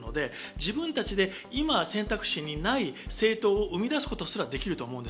自分たちで今、選択肢にない政党を生み出すことすらできると思う。